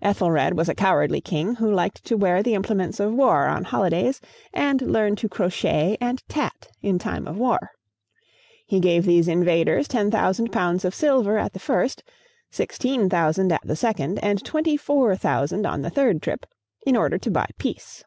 Ethelred was a cowardly king, who liked to wear the implements of war on holidays, and learn to crochet and tat in time of war. He gave these invaders ten thousand pounds of silver at the first, sixteen thousand at the second, and twenty four thousand on the third trip, in order to buy peace.